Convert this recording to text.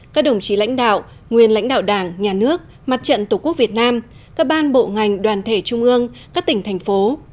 các đồng chí lãnh đạo nguyên lãnh đạo đảng nhà nước mặt trận tổ quốc việt nam các ban bộ ngành đoàn thể trung ương các tỉnh thành phố